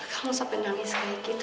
jangan sampai nangis seperti itu